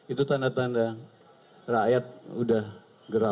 itu tanda tanda rakyat udah geram